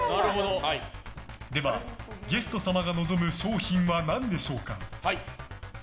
では、ゲスト様が望む商品は何でしょうか？